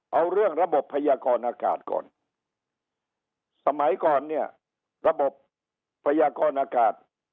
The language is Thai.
เอาเรื่องระบบพยากรอากาศก่อนสมัยก่อนเนี่ยระบบพยากรอากาศ